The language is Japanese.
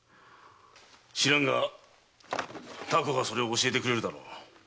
知らぬが凧がそれを教えてくれるだろう。